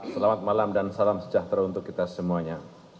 selamat malam dan salam sejahtera untuk kita semuanya